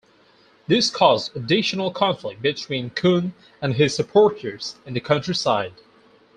This caused additional conflict between Kun and his supporters in the countryside.